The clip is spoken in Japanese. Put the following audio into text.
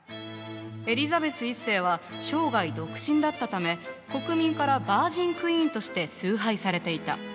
エリザベス１世は生涯独身だったため国民からバージンクイーンとして崇拝されていた。